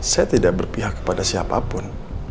saya tidak berpihak kepada siapapun